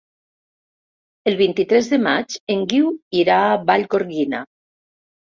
El vint-i-tres de maig en Guiu irà a Vallgorguina.